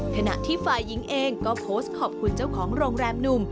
ขณะที่ฝ่ายหญิงเองก็โพสต์ขอบคุณเจ้าของโรงแรมหนุ่ม